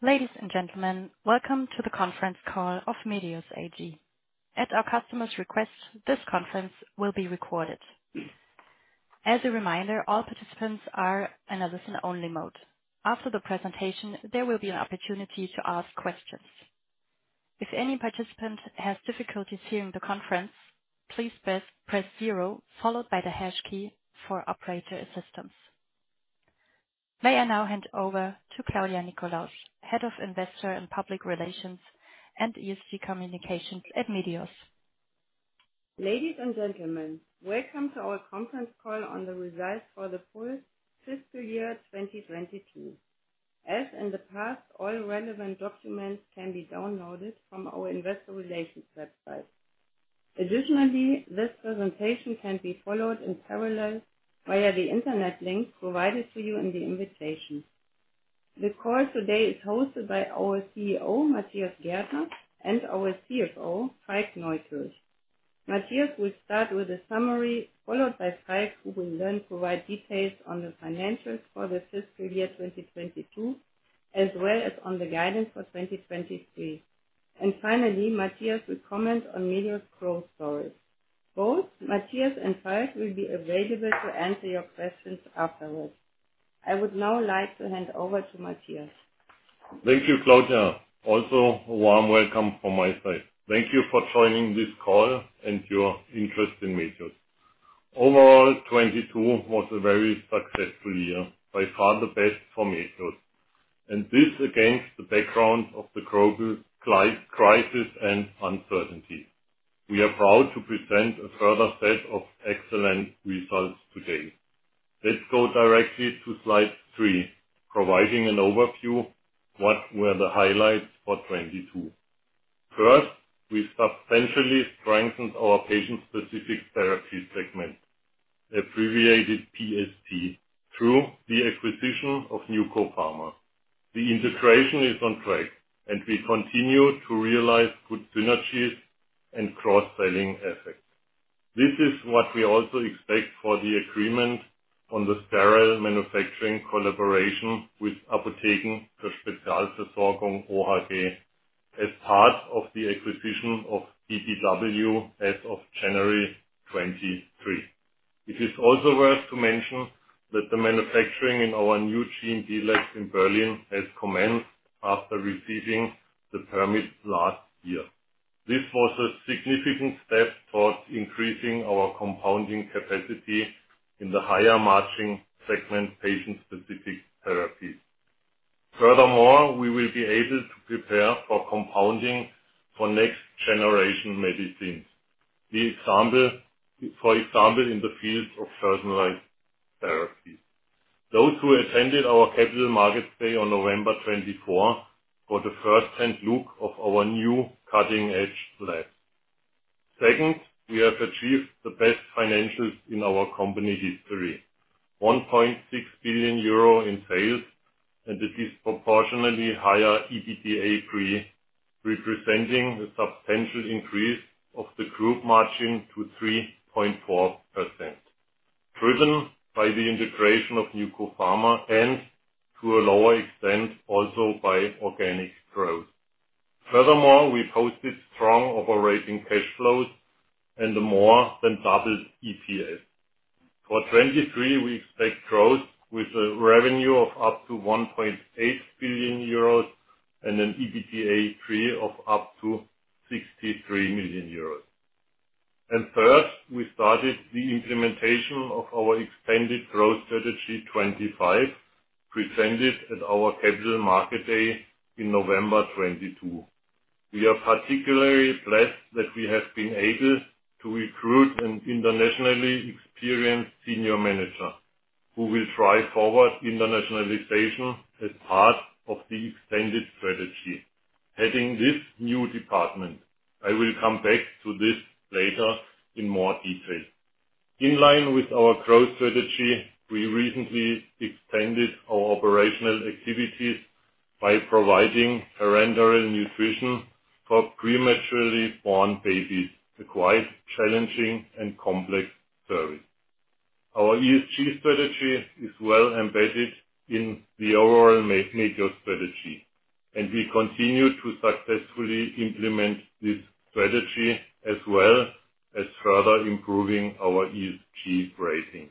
Ladies and gentlemen, welcome to the conference call of Medios AG. At our customer's request, this conference will be recorded. As a reminder, all participants are in a listen-only mode. After the presentation, there will be an opportunity to ask questions. If any participant has difficulties hearing the conference, please press zero followed by the hash key for operator assistance. May I now hand over to Claudia Nickolaus, Head of Investor and Public Relations and ESG Communications at Medios. Ladies and gentlemen, welcome to our conference call on the results for the full fiscal year 2022. As in the past, all relevant documents can be downloaded from our investor relations website. Additionally, this presentation can be followed in parallel via the internet link provided to you in the invitation. The call today is hosted by our CEO, Matthias Gärtner, and our CFO, Falk Neukirch. Matthias will start with a summary, followed by Falk, who will then provide details on the financials for the fiscal year 2022, as well as on the guidance for 2023. Finally, Matthias will comment on Medios growth stories. Both Matthias and Falk will be available to answer your questions afterwards. I would now like to hand over to Matthias. Thank you, Claudia. A warm welcome from my side. Thank you for joining this call and your interest in Medios. Overall, 2022 was a very successful year, by far the best for Medios, and this against the background of the global crisis and uncertainty. We are proud to present a further set of excellent results today. Let's go directly to slide three, providing an overview, what were the highlights for 2022. First, we substantially strengthened our Patient-Specific Therapies segment, abbreviated PST, through the acquisition of NewCo Pharma. The integration is on track, we continue to realize good synergies and cross-selling effects. This is what we also expect for the agreement on the sterile manufacturing collaboration with Apotheken für Spezialversorgungen OHG as part of the acquisition of DDW as of January 2023. It is also worth to mention that the manufacturing in our new GMP lab in Berlin has commenced after receiving the permit last year. This was a significant step towards increasing our compounding capacity in the higher-margin segment Patient-Specific Therapy. Furthermore, we will be able to prepare for compounding for next-generation medicines. For example, in the field of personalized therapy. Those who attended our Capital Markets Day on November 24th got a first-hand look of our new cutting-edge lab. Second, we have achieved the best financials in our company history. 1.6 billion euro in sales, and a disproportionately higher EBITDA pre, representing the substantial increase of the group margin to 3.4%, driven by the integration of NewCo Pharma and to a lower extent, also by organic growth. Furthermore, we posted strong operating cash flows and a more than doubled EPS. For 23, we expect growth with a revenue of up to 1.8 billion euros and an EBITDA pre of up to 63 million euros. Third, we started the implementation of our expanded growth strategy 25, presented at our Capital Markets Day in November 2022. We are particularly blessed that we have been able to recruit an internationally experienced senior manager who will drive forward internationalization as part of the extended strategy. Heading this new department, I will come back to this later in more detail. In line with our growth strategy, we recently extended our operational activities by providing parenteral nutrition for prematurely born babies, a quite challenging and complex service. Our ESG strategy is well embedded in the overall Medios strategy, and we continue to successfully implement this strategy as well as further improving our ESG rating.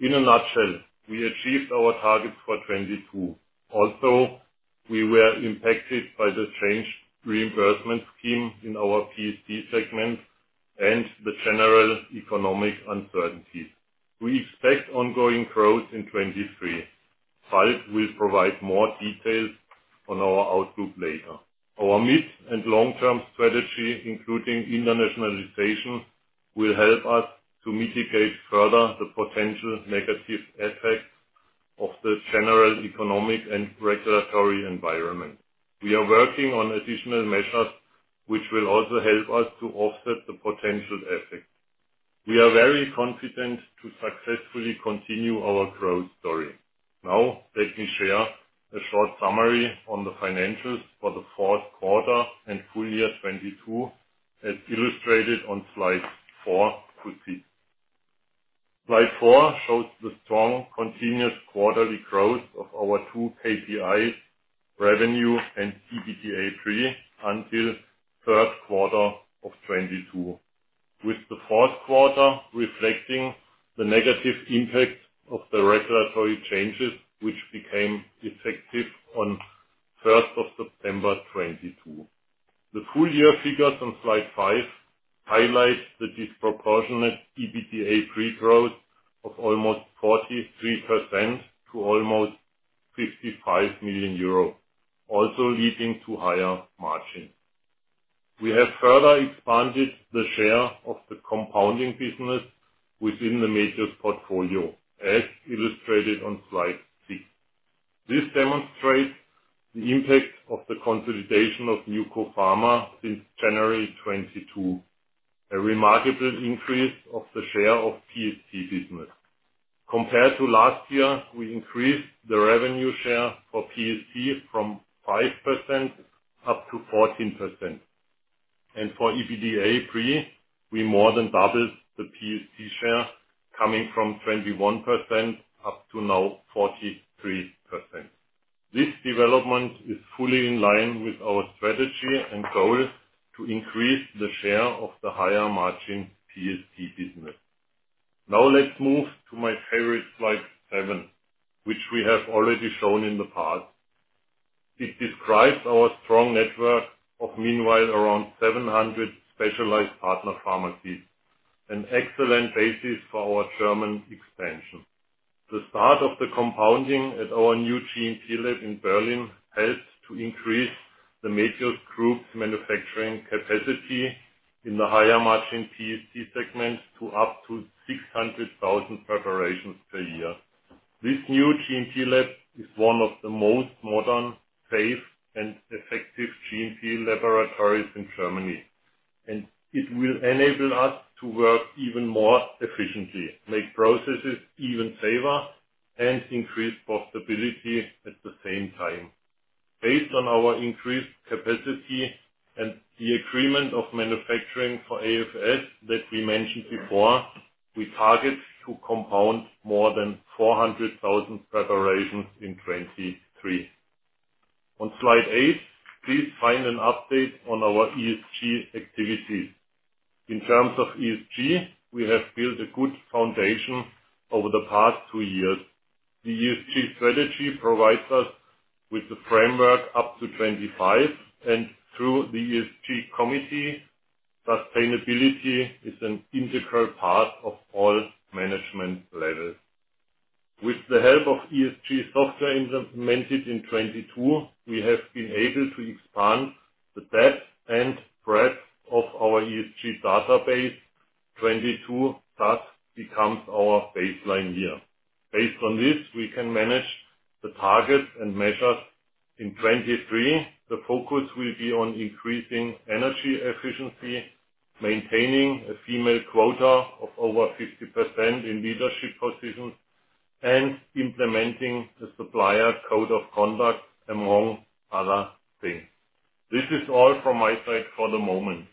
In a nutshell, we achieved our targets for 2022. We were impacted by the changed reimbursement scheme in our PST segment and the general economic uncertainties. We expect ongoing growth in 2023. Falk will provide more details on our outlook later. Our mid- and long-term strategy, including internationalization, will help us to mitigate further the potential negative effects of the general economic and regulatory environment. We are working on additional measures which will also help us to offset the potential effects. We are very confident to successfully continue our growth story. Let me share a short summary on the financials for the fourth quarter and full year 2022, as illustrated on slide four, please. Slide four shows the strong continuous quarterly growth of our two KPIs, revenue and EBITDA pre, until third quarter 2022, with the fourth quarter reflecting the negative impact of the regulatory changes which became effective on September 1, 2022. The full year figures on slide five highlight the disproportionate EBITDA pre-growth of almost 43% to almost 55 million euro, also leading to higher margin. We have further expanded the share of the compounding business within the major portfolio, as illustrated on slide six. This demonstrates the impact of the consolidation of NewCo Pharma since January 2022, a remarkable increase of the share of PST business. Compared to last year, we increased the revenue share for PST from 5% up to 14%, and for EBITDA pre, we more than doubled the PST share, coming from 21% up to now 43%. This development is fully in line with our strategy and goal to increase the share of the higher margin PST business. Now let's move to my favorite slide seven, which we have already shown in the past. It describes our strong network of meanwhile around 700 specialized partner pharmacies, an excellent basis for our German expansion. The start of the compounding at our new GMP lab in Berlin helps to increase the major group's manufacturing capacity in the higher margin PST segment to up to 600,000 preparations per year. This new GMP lab is one of the most modern, safe, and effective GMP laboratories in Germany, it will enable us to work even more efficiently, make processes even safer, and increase profitability at the same time. Based on our increased capacity and the agreement of manufacturing for AfS that we mentioned before, we target to compound more than 400,000 preparations in 2023. On slide eight, please find an update on our ESG activities. In terms of ESG, we have built a good foundation over the past two years. The ESG strategy provides us with the framework up to 2025. Through the ESG committee, sustainability is an integral part of all management levels. With the help of ESG software implemented in 22, we have been able to expand the depth and breadth of our ESG database. 2022, thus, becomes our baseline year. Based on this, we can manage the targets and measures in 2023. The focus will be on increasing energy efficiency, maintaining a female quota of over 50% in leadership positions, and implementing the supplier code of conduct, among other things. This is all from my side for the moment.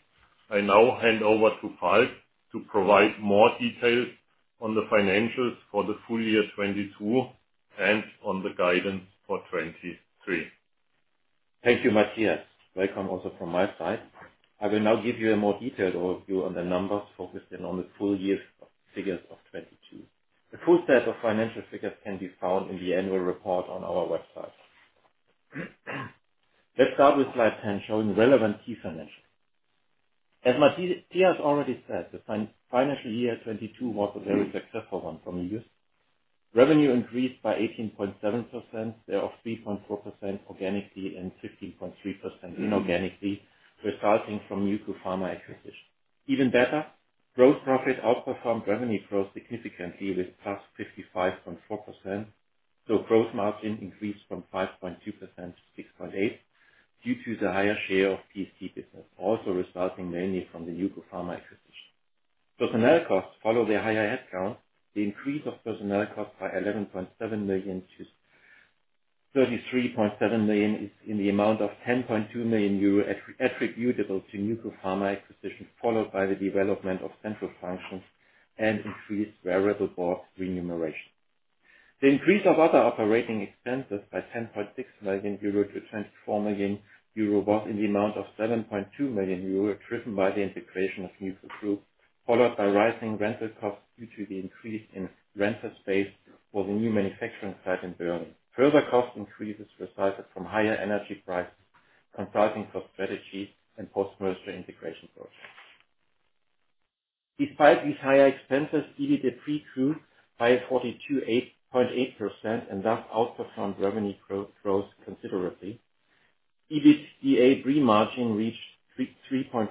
I now hand over to Falk to provide more details on the financials for the full year 2022 and on the guidance for 2023. Thank you, Matthias. Welcome also from my side. I will now give you a more detailed overview on the numbers, focusing on the full figures of 2022. The full set of financial figures can be found in the annual report on our website. Let's start with slide 10, showing relevant key financials. As Matthias already said, the financial year 2022 was a very successful one for Medios. Revenue increased by 18.7%, thereof 3.4% organically and 15.3% inorganically, resulting from Medios Pharma acquisition. Even better, gross profit outperformed revenue growth significantly with +55.4%. Gross margin increased from 5.2%-6.8% due to the higher share of PST business, also resulting mainly from the Medios Pharma acquisition. Personnel costs follow their higher headcount. The increase of personnel costs by 11.7 million-33.7 million is in the amount of 10.2 million euro attributable to NewCo Pharma acquisition, followed by the development of central functions and increased variable board remuneration. The increase of other operating expenses by 10.6 million-24 million euro was in the amount of 7.2 million euro, driven by the integration of NewCo Pharma Group, followed by rising rental costs due to the increase in rented space for the new manufacturing site in Berlin. Further cost increases resulted from higher energy prices, consulting for strategy, and post-merger integration projects. Despite these higher expenses, EBITDA pre grew by 42.8% and thus outperformed revenue growth considerably. EBITDA pre-margin reached 3.4%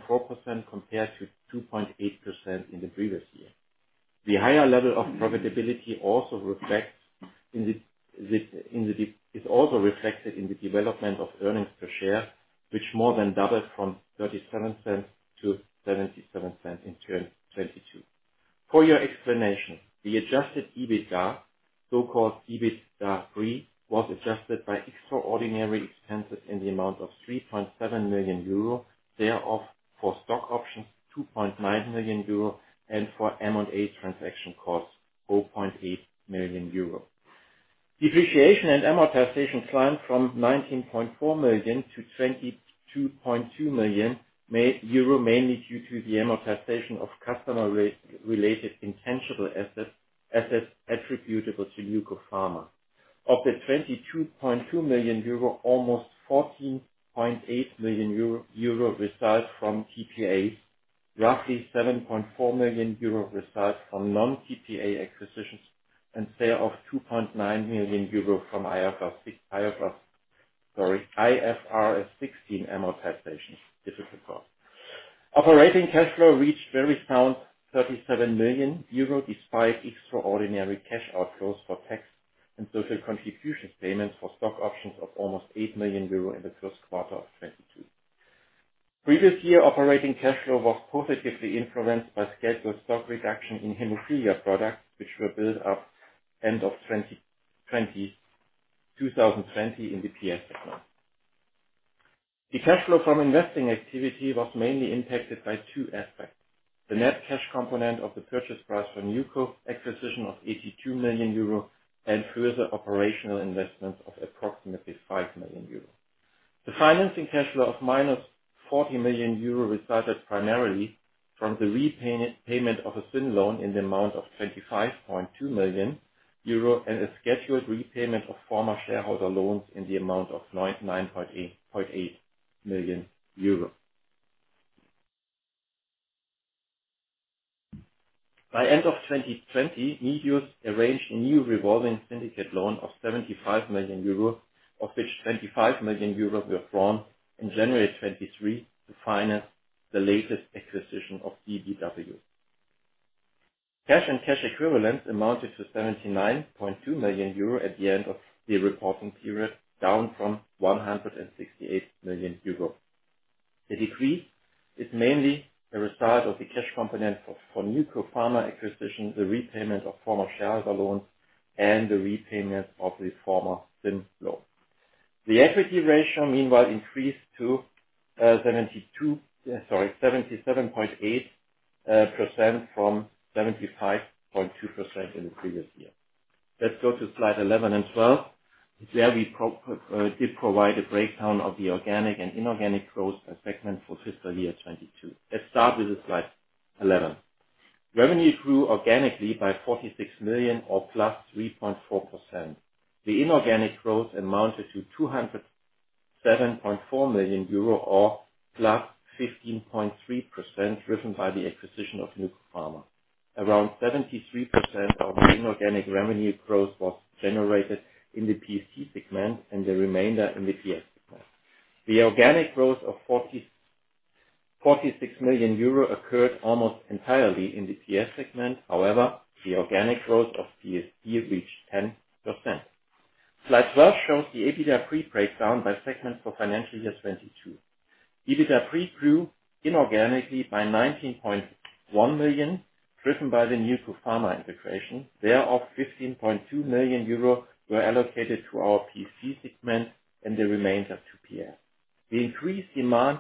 compared to 2.8% in the previous year. The higher level of profitability is also reflected in the development of earnings per share, which more than doubled from 0.37-0.77 in 2022. For your explanation, the Adjusted EBITDA pre was adjusted by extraordinary expenses in the amount of 3.7 million euro, thereof for stock options, 2.9 million euro, and for M&A transaction costs, 4.8 million euro. Depreciation and amortization climbed from 19.4 million-22.2 million euro, mainly due to the amortization of customer-related intangible assets attributable to NewCo Pharma. Of the 22.2 million euro, almost 14.8 million euro resides from TTAs. Roughly 7.4 million euro resides from non-TTA acquisitions and sale of 2.9 million euro from IFRS 16 amortization. Operating cash flow reached very sound 37 million euro despite extraordinary cash outflows for tax and social contribution payments for stock options of almost 8 million euro in the first quarter of 2022. Previous year operating cash flow was positively influenced by scheduled stock reduction in hemophilia products, which were built up end of 2020 in the PS segment. The cash flow from investing activity was mainly impacted by two aspects. The net cash component of the purchase price for NewCo acquisition of 82 million euro and further operational investments of approximately 5 million euro. The financing cash flow of -40 million euro resulted primarily from the repayment of a syn loan in the amount of 25.2 million euro and a scheduled repayment of former shareholder loans in the amount of 99.8 million euro. By end of 2020, Medios arranged a new revolving syndicated loan of 75 million euros, of which 25 million euros were drawn in January of 2023 to finance the latest acquisition of BBW. Cash and cash equivalents amounted to 79.2 million euro at the end of the reporting period, down from 168 million euro. The decrease is mainly a result of the cash component for NewCo Pharma acquisition, the repayment of former shareholder loans, and the repayment of the former syn loan. The equity ratio, meanwhile, increased to, sorry, 77.8% from 75.2% in the previous year. Let's go to slide 11 and 12. There we did provide a breakdown of the organic and inorganic growth by segment for fiscal year 2022. Let's start with the slide 11. Revenue grew organically by 46 million or +3.4%. The inorganic growth amounted to 207.4 million euro or +15.3%, driven by the acquisition of NewCo Pharma. Around 73% of the inorganic revenue growth was generated in the PST segment and the remainder in the PS segment. The organic growth of 46 million euro occurred almost entirely in the PS segment, however, the organic growth of PST reached 10%. Slide 12 shows the EBITDA pre-breakdown by segment for financial year 2022. EBITDA pre grew inorganically by 19.1 million, driven by the NewCo Pharma integration. Thereof 15.2 million euro were allocated to our PC segment and the remainder to PS. The increased demand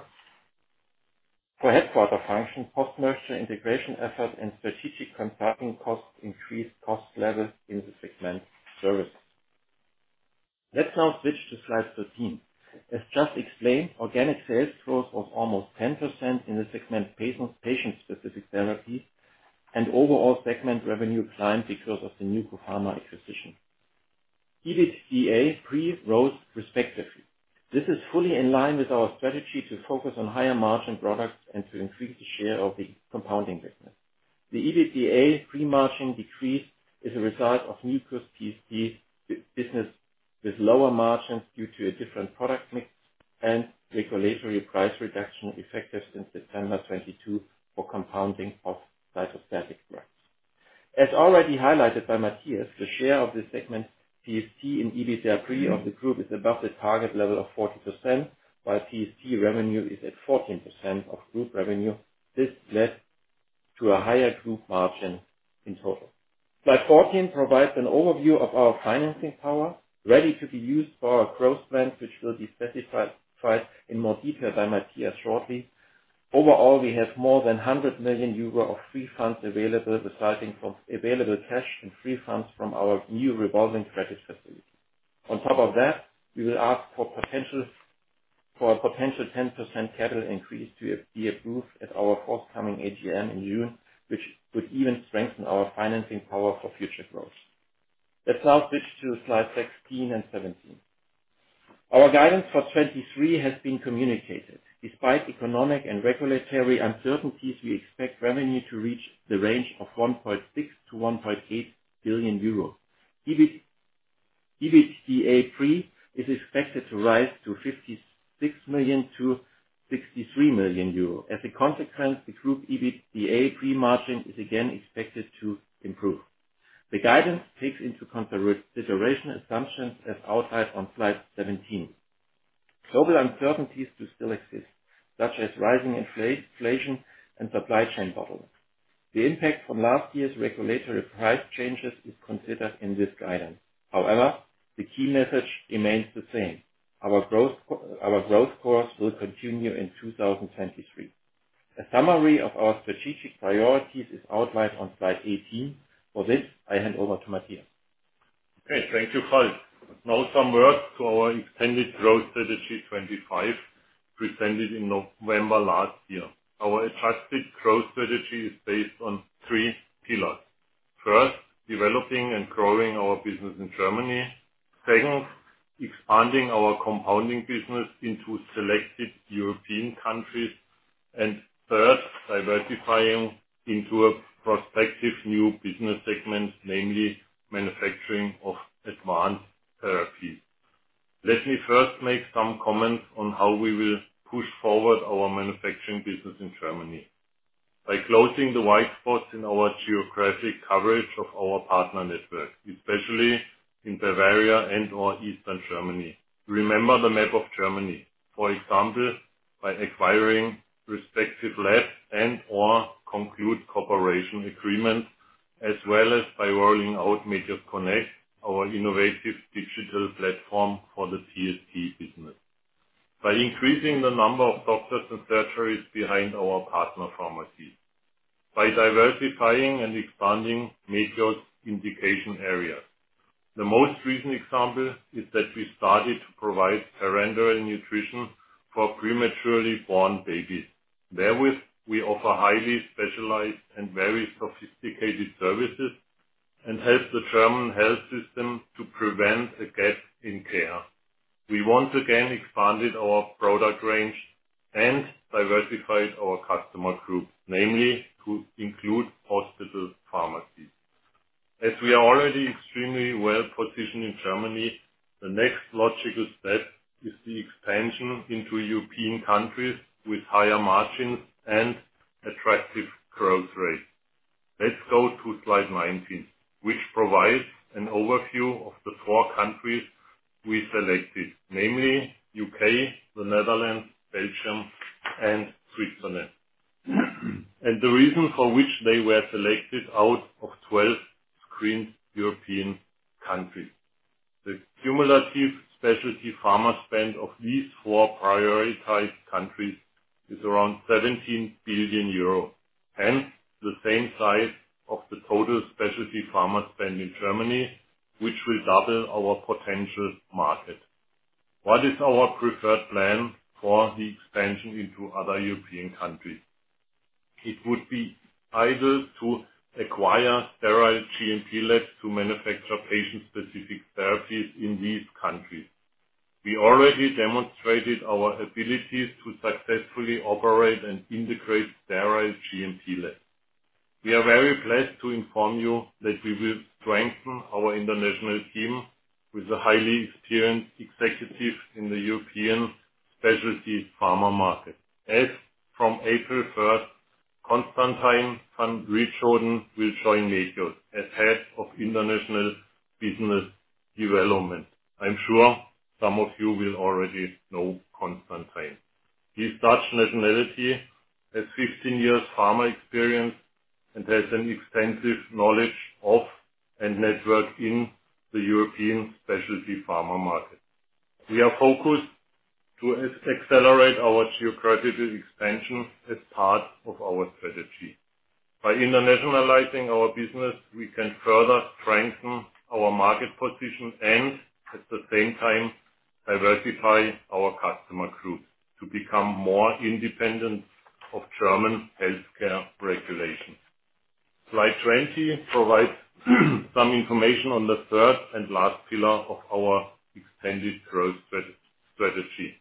for headquarter function, post-merger integration efforts, and strategic consulting costs increased cost levels in the segment service. Let's now switch to slide 13. As just explained, organic sales growth was almost 10% in the segment patient-specific therapies and overall segment revenue climbed because of the NewCo Pharma acquisition. EBITDA pre rose respectively. This is fully in line with our strategy to focus on higher margin products and to increase the share of the compounding business. The EBITDA pre margin decrease is a result of NewCo's PST business with lower margins due to a different product mix and regulatory price reduction effective since September 2022 for compounding of cytostatic drugs. As already highlighted by Matthias, the share of this segment, PST in EBITDA pre of the group is above the target level of 40%, while PST revenue is at 14% of group revenue. This led to a higher group margin in total. Slide 14 provides an overview of our financing power ready to be used for our growth plans, which will be specified in more detail by Matthias shortly. Overall, we have more than 100 million euro of free funds available, resulting from available cash and free funds from our new revolving credit facility. On top of that, we will ask for a potential 10% capital increase to be approved at our forthcoming AGM in June, which would even strengthen our financing power for future growth. Let's now switch to slide 16 and 17. Our guidance for 2023 has been communicated. Despite economic and regulatory uncertainties, we expect revenue to reach the range of 1.6 billion-1.8 billion euros. EBITDA pre is expected to rise to 56 million-63 million euros. As a consequence, the group EBITDA pre-margin is again expected to improve. The guidance takes into consideration assumptions as outlined on slide 17. Global uncertainties do still exist, such as rising inflation and supply chain bottlenecks. The impact from last year's regulatory price changes is considered in this guidance. The key message remains the same. Our growth course will continue in 2023. A summary of our strategic priorities is outlined on slide 18. For this, I hand over to Matthias. Okay. Thank you, Falk. Some words to our extended growth strategy 2025, presented in November last year. Our adjusted growth strategy is based on three pillars. First Developing and growing our business in Germany. Second Expanding our compounding business into selected European countries. Third, diversifying into a prospective new business segment, namely manufacturing of advanced therapy. Let me first make some comments on how we will push forward our manufacturing business in Germany. By closing the white spots in our geographic coverage of our partner network, especially in Bavaria and/or Eastern Germany. Remember the map of Germany. For example, by acquiring respective labs and/or conclude cooperation agreements, as well as by rolling out MediosConnect, our innovative digital platform for the CSP business. By increasing the number of doctors and surgeries behind our partner pharmacy. By diversifying and expanding Medios' indication area. The most recent example is that we started to provide parenteral nutrition for prematurely born babies. We offer highly specialized and very sophisticated services, and help the German health system to prevent a gap in care. We once again expanded our product range and diversified our customer group, namely to include hospital pharmacies. We are already extremely well-positioned in Germany, the next logical step is the expansion into European countries with higher margins and attractive growth rate. Let's go to slide 19, which provides an overview of the four countries we selected, namely U.K., the Netherlands, Belgium, and Switzerland. The reason for which they were selected out of 12 screened European countries. The cumulative Specialty Pharma spend of these four prioritized countries is around 17 billion euros, hence the same size of the total Specialty Pharma spend in Germany, which will double our potential market. What is our preferred plan for the expansion into other European countries? It would be ideal to acquire sterile GMP labs to manufacture patient-specific therapies in these countries. We already demonstrated our abilities to successfully operate and integrate sterile GMP labs. We are very pleased to inform you that we will strengthen our international team with a highly experienced executive in the European specialty pharma market. As from April 1, Constantijn van Rietschoten will join Medios as Head of International Business Development. I'm sure some of you will already know Constantijn. He's Dutch nationality, has 15 years pharma experience, and has an extensive knowledge of, and network in, the European specialty pharma market. We are focused to accelerate our geographical expansion as part of our strategy. By internationalizing our business, we can further strengthen our market position and, at the same time, diversify our customer group to become more independent of German healthcare regulations. Slide 20 provides some information on the third and last pillar of our extended growth strategy.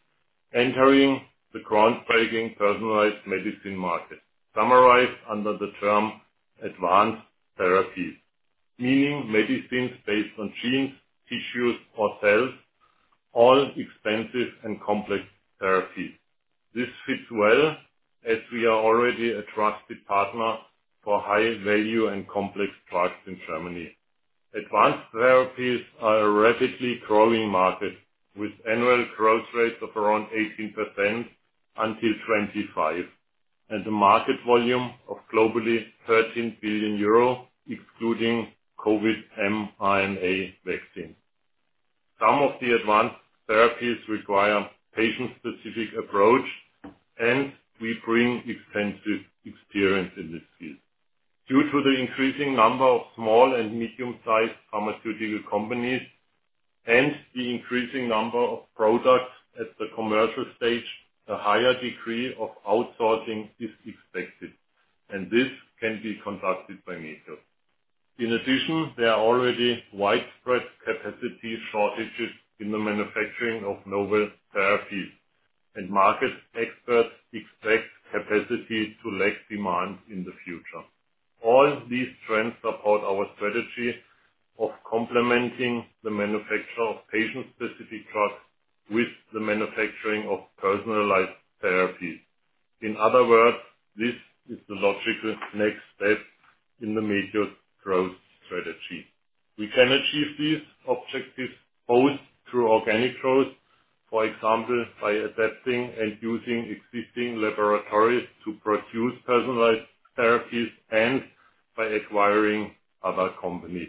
Entering the groundbreaking personalized medicine market, summarized under the term advanced therapy, meaning medicines based on genes, tissues or cells, all expensive and complex therapies. This fits well, as we are already a trusted partner for high value and complex products in Germany. Advanced therapies are a rapidly growing market, with annual growth rates of around 18% until 2025, and a market volume of globally 13 billion euro, excluding COVID mRNA vaccine. Some of the advanced therapies require patient-specific approach, and we bring extensive experience in this field. Due to the increasing number of small and medium-sized pharmaceutical companies and the increasing number of products at the commercial stage, a higher degree of outsourcing is expected, and this can be conducted by Medios. There are already widespread capacity shortages in the manufacturing of novel therapies, and market experts expect capacity to lag demand in the future. All these trends support our strategy of complementing the manufacture of patient-specific drugs with the manufacturing of personalized therapies. In other words, this is the logical next step in the Medios growth strategy. We can achieve these objectives both through organic growth, for example, by adapting and using existing laboratories to produce personalized therapies, and by acquiring other companies.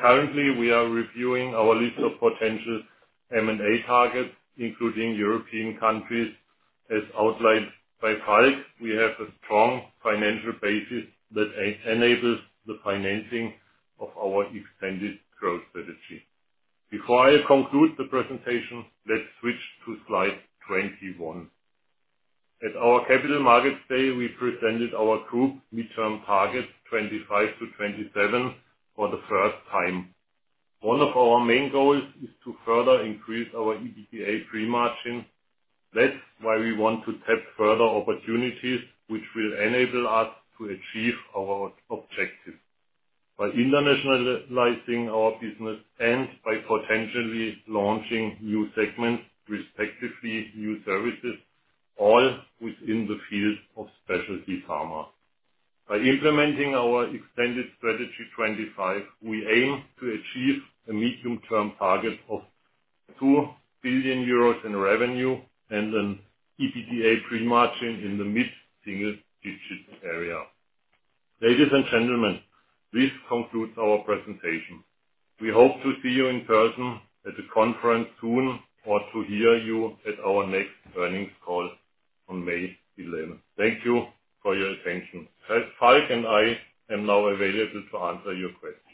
Currently, we are reviewing our list of potential M&A targets, including European countries. As outlined by Falk, we have a strong financial basis that enables the financing of our extended growth strategy. Before I conclude the presentation, let's switch to slide 21. At our Capital Markets Day, we presented our group midterm target 2025-2027 for the first time. One of our main goals is to further increase our EBITDA pre-margin. We want to tap further opportunities which will enable us to achieve our objectives, by internationalizing our business and by potentially launching new segments, respectively new services, all within the field of specialty pharma. By implementing our extended strategy 2025, we aim to achieve a medium-term target of 2 billion euros in revenue and an EBITDA pre-margin in the mid-single digit area. Ladies and gentlemen, this concludes our presentation. We hope to see you in person at the conference soon, or to hear you at our next earnings call on May eleventh. Thank you for your attention. As Falk and I am now available to answer your questions.